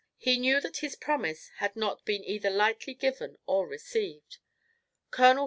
He knew that his promise had not been either lightly given or received. Col.